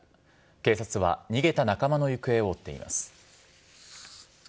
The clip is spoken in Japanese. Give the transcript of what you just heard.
警察は逃げた仲間の行方を追っています。